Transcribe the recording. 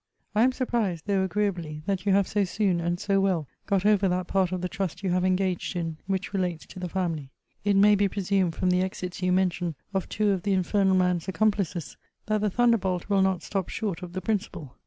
I am surprised, though agreeably, that you have so soon, and so well, got over that part of the trust you have engaged in, which relates to the family. It may be presumed, from the exits you mention of two of the infernal man's accomplices, that the thunderbolt will not stop short of the principal.